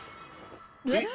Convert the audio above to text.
えっ？